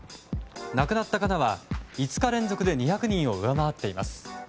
亡くなった方は５日連続で２００人を上回っています。